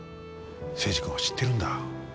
征二君を知ってるんだ。